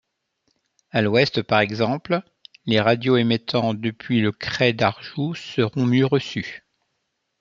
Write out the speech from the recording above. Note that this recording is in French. À l'ouest par exemple, les radios émettant depuis le crêt d'Arjoux seront mieux reçues.